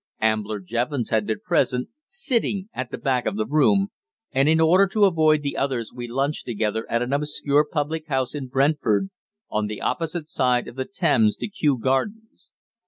Ambler Jevons had been present, sitting at the back of the room, and in order to avoid the others we lunched together at an obscure public house in Brentford, on the opposite side of the Thames to Kew Gardens.